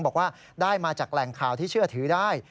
บอกว่าได้มาจากแหล่งข่าวที่เชื่อถือได้